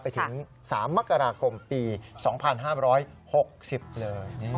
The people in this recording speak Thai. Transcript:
ไปถึง๓มกราคมปี๒๕๖๐เลย